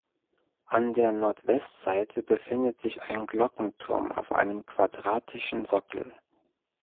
An der Nordwestseite befindet sich ein Glockenturm auf einem quadratischen Sockel.